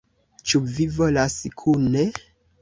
Ĉu vi volas kune?